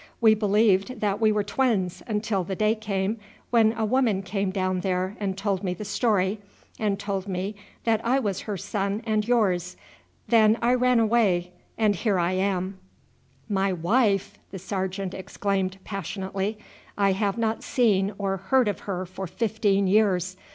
We believed that we were twins until the day came when a woman came down there and told me the story, and told me that I was her son and yours; then I ran away, and here I am." "My wife!" the sergeant exclaimed passionately. "I have not seen or heard of her for fifteen years.